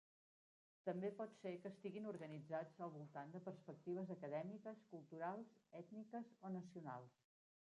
També pot ser que estiguin organitzats al voltant de perspectives acadèmiques, culturals, ètniques o nacionals.